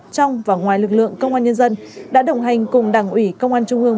trong và ngoài lực lượng công an nhân dân đã đồng hành cùng đảng ủy công an trung ương